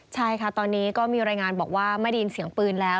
ใช่ค่ะตอนนี้ก็มีรายงานบอกว่าไม่ได้ยินเสียงปืนแล้ว